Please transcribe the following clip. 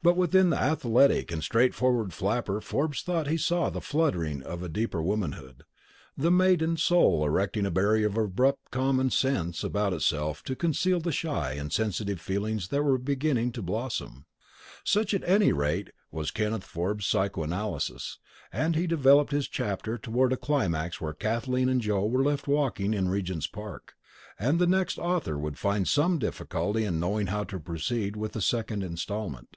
But within the athletic and straightforward flapper Forbes thought he saw the fluttering of deeper womanhood; the maiden soul erecting a barrier of abrupt common sense about itself to conceal the shy and sensitive feelings that were beginning to blossom. Such at any rate was Kenneth Forbes's psycho analysis, and he developed his chapter toward a climax where Kathleen and Joe were left walking in Regent's Park, and the next author would find some difficulty in knowing how to proceed with the second instalment.